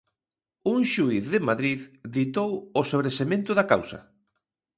Un xuíz de Madrid ditou o sobresemento da causa.